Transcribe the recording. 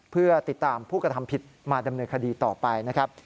เพื่อติดตามผู้กระทำผิดมาดำเนินคดีต่อไปนะครับ